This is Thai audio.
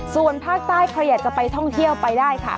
ส่วนภาคใต้ใครอยากจะไปท่องเที่ยวไปได้ค่ะ